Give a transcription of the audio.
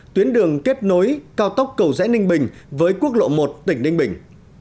tuyến đường kết nối cao tốc cầu rẽ ninh bình với quốc lộ một tỉnh ninh bình